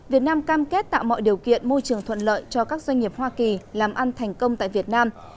việt nam cam kết tạo mọi điều kiện môi trường thuận lợi cho các doanh nghiệp hoa kỳ làm ăn thành công tại việt nam